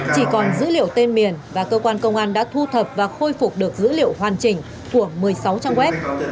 chỉ còn dữ liệu tên miền và cơ quan công an đã thu thập và khôi phục được dữ liệu hoàn chỉnh của một mươi sáu trang web